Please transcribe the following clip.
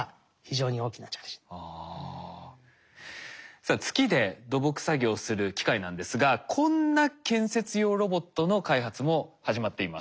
さあ月で土木作業をする機械なんですがこんな建設用ロボットの開発も始まっています。